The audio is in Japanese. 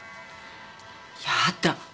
やだ。